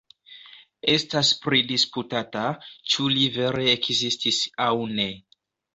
Estas pridisputata, ĉu li vere ekzistis aŭ ne.